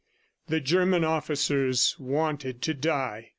The German officers wanted to die.